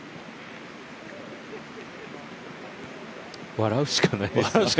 笑うしかないですね。